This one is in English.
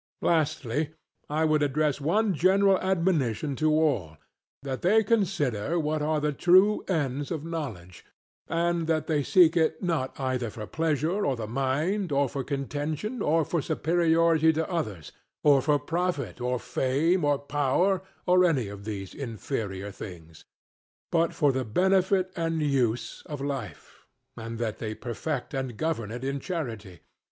Lastly, I would address one general admonition to all; that they consider what are the true ends of knowledge, and that they seek it not either for pleasure of the mind, or for contention, or for superiority to others, or for profit, or fame, or power, or any of these inferior things; but for the benefit and use of life; and that they perfect and govern it in charity.